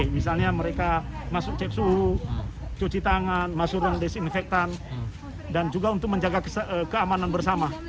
misalnya mereka masuk cek suhu cuci tangan masuk ruang desinfektan dan juga untuk menjaga keamanan bersama